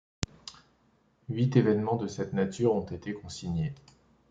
Huit événements de cette nature ont été consignés.